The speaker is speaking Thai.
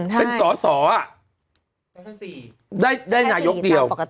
เป็นสอสอได้นายกเดียว